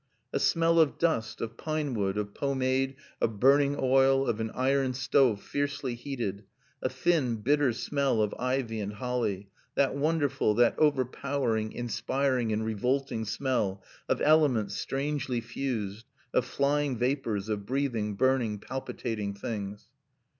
A smell of dust, of pine wood, of pomade, of burning oil, of an iron stove fiercely heated, a thin, bitter smell of ivy and holly; that wonderful, that overpowering, inspiring and revolting smell, of elements strangely fused, of flying vapors, of breathing, burning, palpitating things.